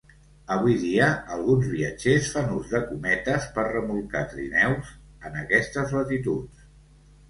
Avui dia alguns viatgers fan ús de cometes per remolcar trineus en aquestes latituds.